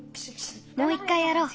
もういっかいやろう。